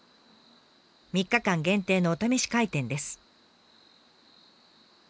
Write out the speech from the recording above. ３日間限定のお試し開店です。